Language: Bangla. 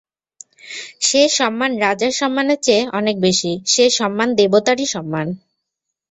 সে সম্মান রাজার সম্মানের চেয়ে অনেক বেশি– সে সম্মান দেবতারই সম্মান।